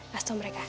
kasih tau mereka